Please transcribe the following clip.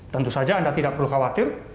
tentu saja anda tidak perlu khawatir